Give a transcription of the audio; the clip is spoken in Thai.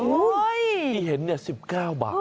ที่เห็น๑๙บาท